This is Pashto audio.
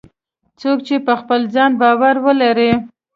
څوک چې په خپل ځان باور ولري